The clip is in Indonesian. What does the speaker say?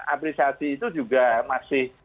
apresiasi itu juga masih